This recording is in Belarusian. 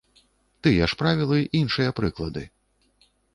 Тыя ж правілы, іншыя прыклады.